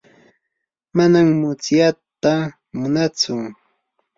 manam mutsyata munaatsu.